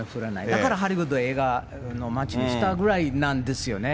だからハリウッドを映画の街にしたぐらいなんですよね。